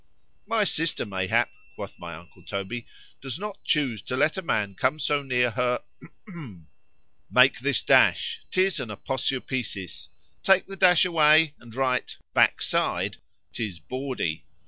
——"My sister, mayhap," quoth my uncle Toby, "does not choose to let a man come so near her " Make this dash,—'tis an Aposiopesis,—Take the dash away, and write Backside,—'tis Bawdy.